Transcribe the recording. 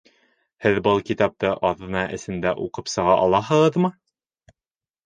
Һеҙ был китапты аҙна эсендә уҡып сыға алаһығыҙмы?